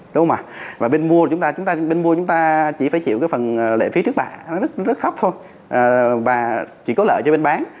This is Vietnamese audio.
đúng không ạ và bên mua chúng ta chỉ phải chịu cái phần lệ phí trước bạc nó rất thấp thôi và chỉ có lợi cho bên bán